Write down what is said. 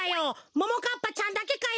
ももかっぱちゃんだけかよ。